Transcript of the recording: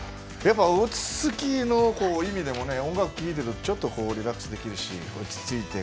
落ち着きの意味でも音楽を聴いているとちょっとリラックスできるし落ち着いて。